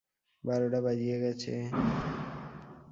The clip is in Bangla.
বারোটা বাজিয়া গেছে।